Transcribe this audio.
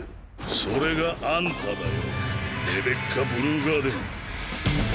それがあんただよレベッカ・ブルーガーデン。